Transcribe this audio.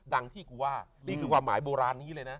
ดังที่กูว่านี่คือความหมายโบราณนี้เลยนะ